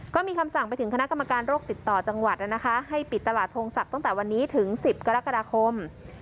ก็มีคำสั่งไปถึงคณะกรรมการโรคติดต่อจังหวัดนะคะให้ปิดตลาดพงศักดิ์ตั้งแต่วันนี้ถึง๑๐กรกฎาคม